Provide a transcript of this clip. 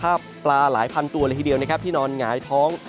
แบบเมืองปลาหลายพันตัวหน้าที่นอนหายท้อง